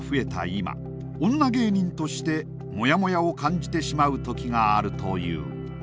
今女芸人としてモヤモヤを感じてしまう時があるという。